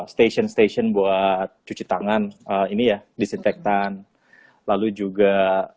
stasiun stasiun buat cuci tangan ini ya disinfektan lalu juga